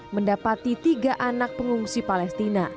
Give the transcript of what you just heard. mendapati tiga anak pengungsi palestina